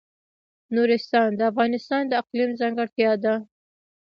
نورستان د افغانستان د اقلیم ځانګړتیا ده.